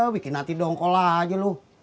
bikin hati dongkol aja loh